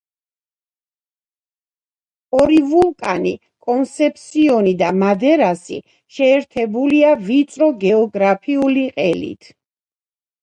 ორი ვულკანი კონსეფსიონი და მადერასი შეერთებულია ვიწრო გეოგრაფიული ყელით.